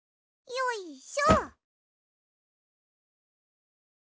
よいしょ！